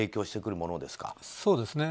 そうですね。